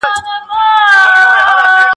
زه بايد مړۍ وخورم.